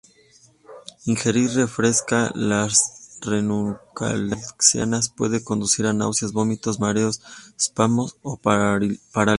Ingerir fresca las Ranunculaceae puede conducir a náuseas, vómitos, mareos, espasmos o parálisis.